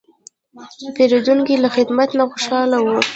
پیرودونکی له خدمت نه خوشاله و.